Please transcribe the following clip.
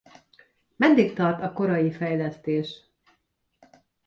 Meddig tart a korai fejlesztés?